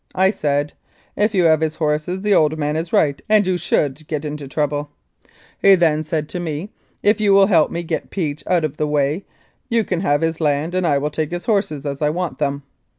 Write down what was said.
I said, ' If you have his horses the old man is right and you should get into trouble.' He then said to me, ' If you will help me to get Peach out of the way, you can have his land and I will take his horses as I want them.'